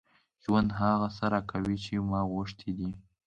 ژوند هغه څه راکوي چې ما غوښتي دي.